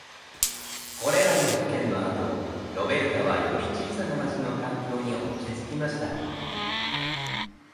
これらの事件の後、ロベルタはより小さな町の環境に落ち着きました。